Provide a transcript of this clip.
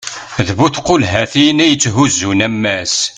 d bu tqulhatin i yetthuzzun ammas